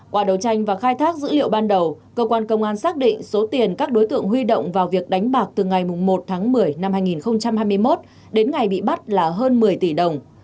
qua đấu tranh và khai thác dữ liệu ban đầu cơ quan công an xác định số tiền các đối tượng huy động vào việc đánh bạc từ ngày một tháng một mươi năm hai nghìn hai mươi một đến ngày bị bắt là hơn một mươi tỷ đồng